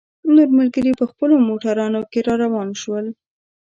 نور ملګري په خپلو موټرانو کې را روان شول.